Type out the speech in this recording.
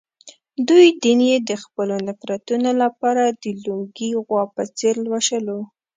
دوی دین یې د خپلو نفرتونو لپاره د لُنګې غوا په څېر لوشلو.